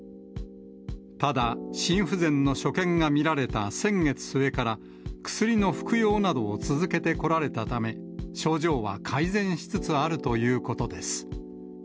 ただ、心不全の所見が見られた先月末から、薬の服用などを続けてこられたため、症状は改善しつつあるということです。